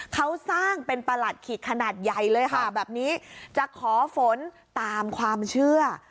เขาสร้างเป็นประหลัดขีกขนาดใหญ่เลยค่ะแบบนี้จะขอฝนตามความเชื่อ